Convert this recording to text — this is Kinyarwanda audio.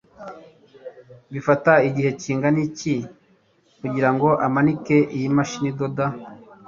bifata igihe kingana iki kugirango umanike iyi mashini idoda